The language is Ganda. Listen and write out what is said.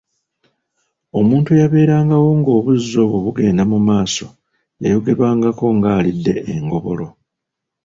Omuntu eyabeerangawo ng’obuzi obwo bugenda mu maaso yayogerwangako ng’alidde engobolo.